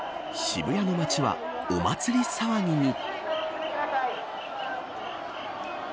渋谷の街はお祭り騒ぎに。